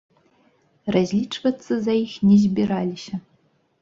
Разлічвацца за іх не збіраліся.